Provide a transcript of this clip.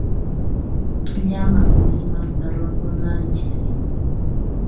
Llamaq willmanta rutunanchis.